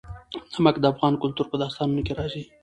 نمک د افغان کلتور په داستانونو کې راځي.